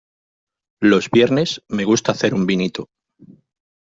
Los viernes me gusta hacer un vinito.